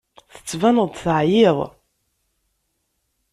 Tettbaneḍ-d teɛyiḍ.